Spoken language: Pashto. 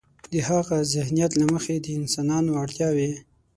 د هاغه ذهنیت له مخې د انسانانو اړتیاوې.